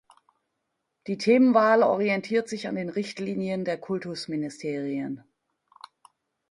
Die Themenwahl orientiert sich an den Richtlinien der Kultusministerien.